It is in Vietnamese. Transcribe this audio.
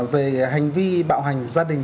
về hành vi bạo hành gia đình